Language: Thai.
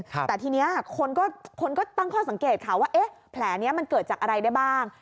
แต่ทีนี้คนก็ตั้งข้อสังเกตค่ะว่าเอ๊ะแผลนี้มันเกิดจากอะไรได้บ้าง